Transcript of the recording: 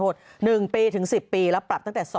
สิ่งที่หรอ